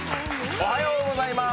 おはようございます